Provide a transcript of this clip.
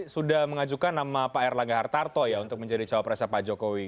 sudah mengajukan nama pak erlangga hartarto ya untuk menjadi cawapresnya pak jokowi